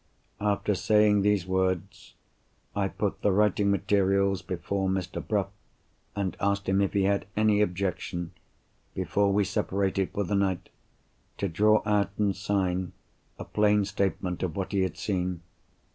After saying those words, I put the writing materials before Mr. Bruff, and asked him if he had any objection—before we separated for the night—to draw out, and sign, a plain statement of what he had seen.